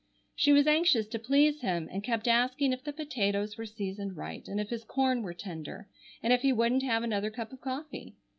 She was anxious to please him, and kept asking if the potatoes were seasoned right and if his corn were tender, and if he wouldn't have another cup of coffee.